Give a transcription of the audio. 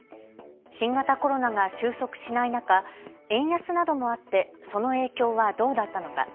新型コロナが終息しない中、円安などもあってその影響はどうだったのか。